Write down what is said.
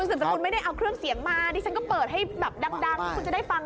คุณสืบสกุลไม่ได้เอาเครื่องเสียงมาดิฉันก็เปิดให้ดัง